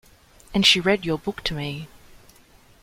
And she read your book to me.